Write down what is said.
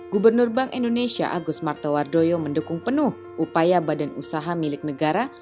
gubernur bank indonesia agus martowardoyo mendukung penuh upaya badan usaha milik negara